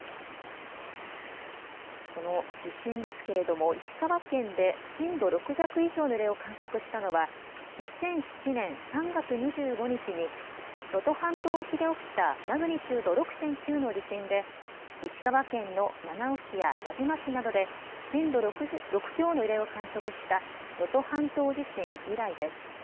この地震ですけれども石川県で震度６弱以上の揺れを観測したのは２００７年３月２５日に能登半島沖で起きたマグニチュード６．９の地震で石川県の七尾市や輪島市などで震度６強の揺れを観測した能登半島地震以来です。